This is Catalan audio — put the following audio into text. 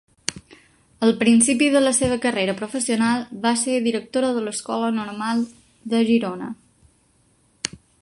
Al principi de la seva carrera professional va ser directora de l'Escola Normal de Girona.